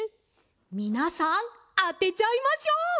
みなさんあてちゃいましょう！